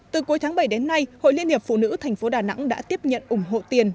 từ cuối tháng bảy đến nay hội liên hiệp phụ nữ tp đà nẵng đã tiếp nhận ủng hộ tiền